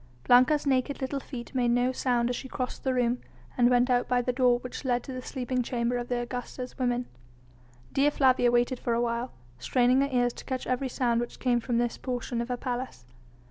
Blanca's naked little feet made no sound as she crossed the room, and went out by the door which led to the sleeping chamber of the Augusta's women. Dea Flavia waited for a while, straining her ears to catch every sound which came from this portion of her palace.